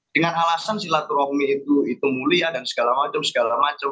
dengan alasan silaturahmi itu mulia dan segala macam segala macam